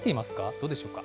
どうでしょうか？